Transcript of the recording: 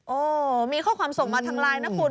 โอ้มีข้อความส่งมาทางไลน์นะคุณ